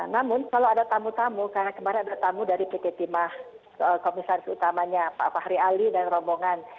namun kalau ada tamu tamu karena kemarin ada tamu dari pt timah komisaris utamanya pak fahri ali dan rombongan